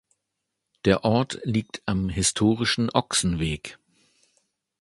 Der Ort liegt am historischen Ochsenweg.